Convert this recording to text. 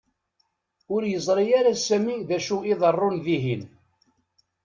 Ur yeẓri ara Sami d acu i iḍerrun dihin.